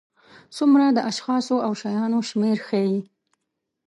څومره د اشخاصو او شیانو شمېر ښيي.